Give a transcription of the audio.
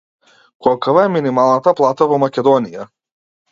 Колкава е минималната плата во Македонија?